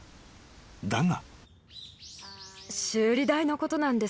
［だが］